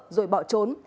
rồi bỏ trốn